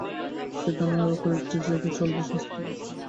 সেখানে এবং আরও কয়েকটি জায়গায় চলবে সাংস্কৃতিক অনুষ্ঠান।